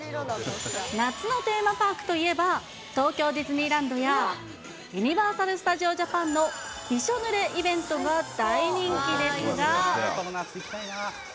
夏のテーマパークといえば、東京ディズニーランドや、ユニバーサル・スタジオ・ジャパンのびしょぬれイベントが大人気ですが。